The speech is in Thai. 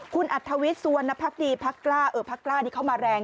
คุณอัทธวิทย์สวนภักดีภักษ์กล้าเออภักษ์กล้านี่เข้ามาแรง